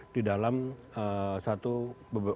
di dalam satu wilayah wilhan itu